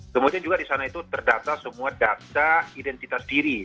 kemudian juga di sana itu terdata semua data identitas diri